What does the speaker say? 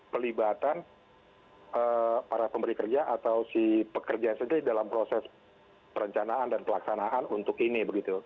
pelibatan para pemberi kerja atau si pekerja sendiri dalam proses perencanaan dan pelaksanaan untuk ini